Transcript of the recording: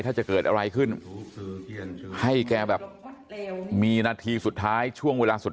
ถ้าจะเกิดอะไรขึ้นให้แกแบบมีนาทีสุดท้ายช่วงเวลาสุด